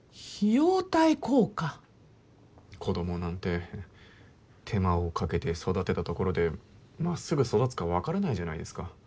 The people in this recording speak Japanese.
子供なんて手間をかけて育てたところで真っすぐ育つか分からないじゃないですか。